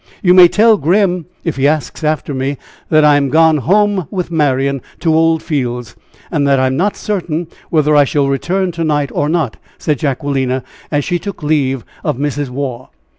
"You may tell Grim, if he asks after me, that I am gone home with Marian to Old Fields, and that I am not certain whether I shall return to night or not," said Jacquelina, as she took leave of Mrs. Waugh.